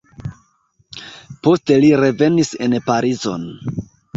Poste li revenis en Parizon.